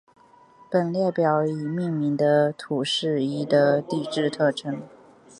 本表列出已命名的土卫一的地质特征。